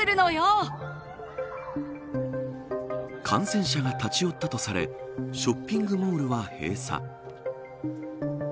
感染者が立ち寄ったとされショッピングモールは閉鎖。